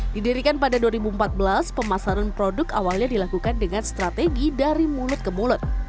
didirikan pada dua ribu empat belas pemasaran produk awalnya dilakukan dengan strategi dari mulut ke mulut